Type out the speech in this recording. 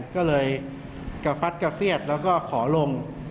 ก็เลยกระฟัดกระเฟียดแล้วก็ขอลง